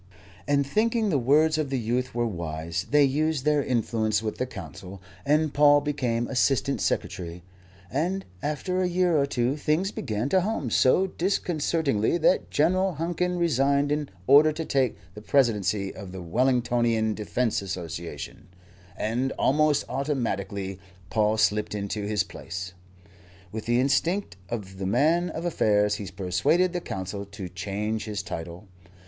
And thinking the words of the youth were wise, they used their influence with the Council, and Paul became Assistant Secretary, and after a year or two things began to hum so disconcertingly that General Hankin resigned in order to take the Presidency of the Wellingtonian Defence Association, and almost automatically Paul slipped into his place. With the instinct of the man of affairs he persuaded the Council to change his title.